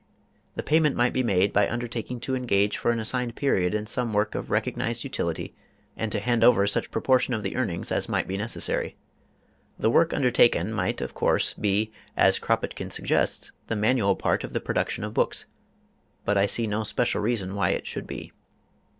The payment might be made by undertaking to engage for an assigned period in some work of recognized utility and to hand over such proportion of the earnings as might be necessary. The work undertaken might of course be, as Kropotkin suggests, the manual part of the production of books, but I see no special reason why it should be.